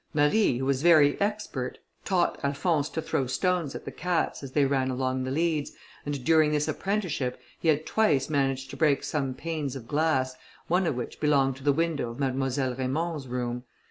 Marie, who was very expert, taught Alphonse to throw stones at the cats, as they ran along the leads, and during this apprenticeship he had twice managed to break some panes of glass, one of which belonged to the window of Mademoiselle Raymond's room.